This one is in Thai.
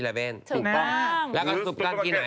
แล้วก็ซุปก้อนใกล้ไหน